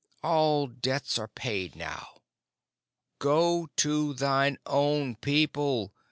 All debts are paid now. Go to thine own people.